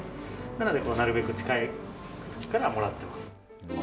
なのでなるべく近いところからもらっています。